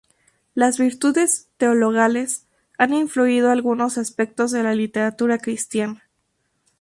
Las virtudes teologales han influido algunos aspectos de la literatura cristiana.